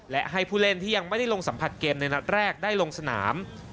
และให้ผู้เล่นที่ยังไม่ได้ลงสัมผัสเกมในนัดแรกได้ลงสนาม